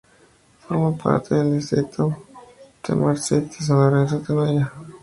Forma parte del distrito Tamaraceite-San Lorenzo-Tenoya.